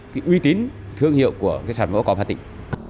cái uy tín thương hiệu của các sản phẩm ô cốt hà tĩnh